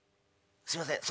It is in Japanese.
すいません